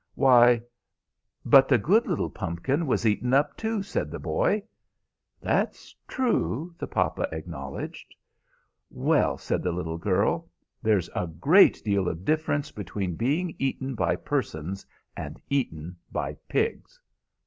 "Why, but the good little pumpkin was eaten up, too," said the boy. "That's true," the papa acknowledged. "Well," said the little girl, "there's a great deal of difference between being eaten by persons and eaten by pigs."